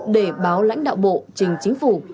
để báo lãnh đạo bộ trình chính phủ